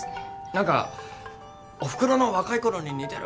何かおふくろの若いころに似てる！